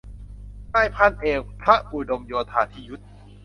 นายพันเอก พระอุดมโยธาธิยุต